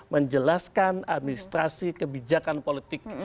menjelaskan administrasi kebijakan politik